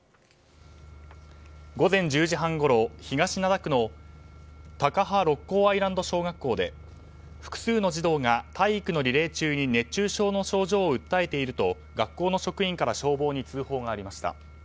午前１０時半ごろ、東灘区の高羽六甲アイランド小学校で複数の児童が体育のリレー中に熱中症の症状を訴えていると学校の職員から消防に通報がありました。